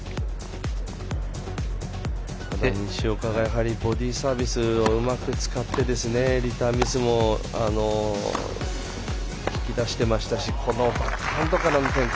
西岡がやはりボディーサービスをうまく使ってリターンミスも引き出していましたしこのバックハンドからの展開